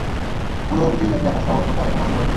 পুরো পৃথিবীব্যাপি আকাশছোঁয়া উচ্চতায় সুনামি বয়ে যাবে!